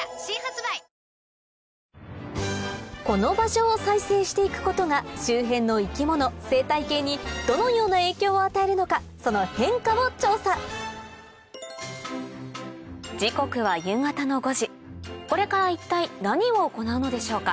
この場所を再生していくことが周辺の生き物生態系にどのような影響を与えるのかその変化を調査時刻はこれから一体何を行うのでしょうか？